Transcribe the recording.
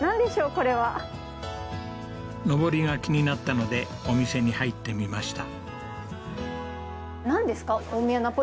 これはのぼりが気になったのでお店に入ってみました